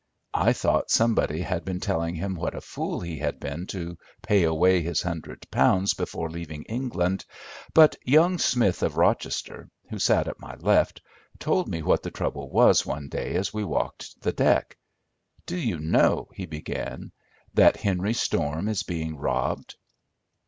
I thought somebody had been telling him what a fool he had been to pay away his hundred pounds before leaving England, but young Smith of Rochester, who sat at my left, told me what the trouble was one day as we walked the deck. "Do you know," he began, "that Henry Storm is being robbed?"